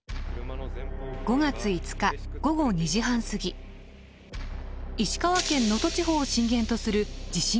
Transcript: ５月５日午後２時半過ぎ石川県能登地方を震源とする地震が発生。